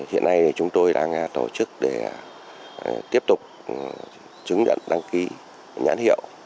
hiện nay chúng tôi đang tổ chức để tiếp tục chứng nhận đăng ký nhãn hiệu